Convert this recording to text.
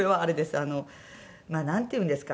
あのまあなんていうんですか？